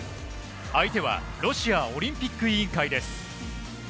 相手はロシアオリンピック委員会です。